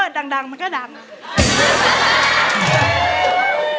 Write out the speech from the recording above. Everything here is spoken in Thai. ก็เปิดดังแล้วก็ดัง